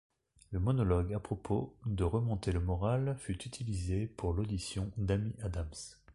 Le monologue à propos de remonter le moral fut utilisé pour l'audition d'Amy Adams.